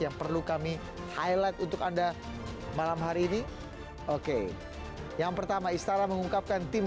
yang perlu kami highlight untuk anda malam hari ini oke yang pertama istana mengungkapkan tim